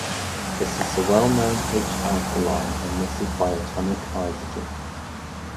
This is the well-known H-alpha line emitted by atomic hydrogen.